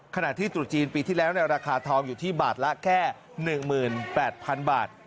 ขณะที่ตรุษจีนปีที่แล้วราคาทองอยู่ที่บาทละแค่๑๘๐๐๐บาท